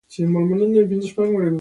کاپیسا هم د افغانستان مرکزي ولایت دی